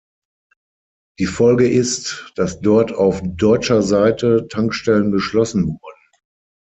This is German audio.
Die Folge ist, dass dort auf deutscher Seite Tankstellen geschlossen wurden.